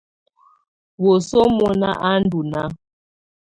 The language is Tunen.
Wǝ́suǝ mɔ̀na á ndɔ̀ nàà.